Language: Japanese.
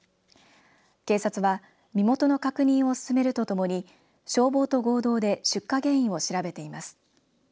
警察は身元の確認を進めるとともに消防と合同で出火原因を調べています。